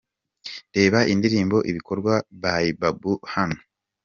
Reba indirimbo Ibikorwa ya Babou hano:.